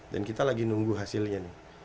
dan kita lagi nunggu hasilnya